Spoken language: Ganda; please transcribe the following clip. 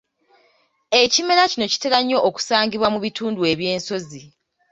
Ekimera kino kitera nnyo okusangibwa mu bitundu eby'ensozi.